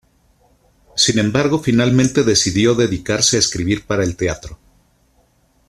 Sin embargo, finalmente decidió dedicarse a escribir para el teatro.